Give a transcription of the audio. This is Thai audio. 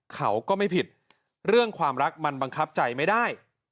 เขาก็ไม่ผิดเรื่องความรักมันบังคับใจไม่ได้